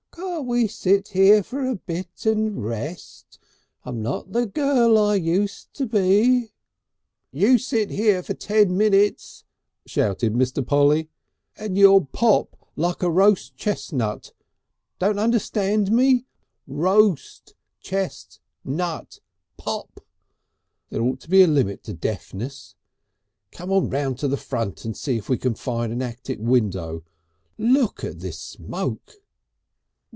Can't we sit here for a bit and rest? I'm not the girl I use to be." "You sit here ten minutes," shouted Mr. Polly, "and you'll pop like a roast chestnut. Don't understand me? Roast chestnut! Roast chestnut! POP! There ought to be a limit to deafness. Come on round to the front and see if we can find an attic window. Look at this smoke!"